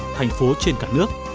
thành phố trên cả nước